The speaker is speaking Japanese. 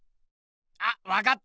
あっわかった！